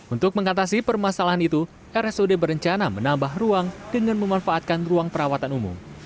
untuk mengatasi permasalahan itu rsud berencana menambah ruang dengan memanfaatkan ruang perawatan umum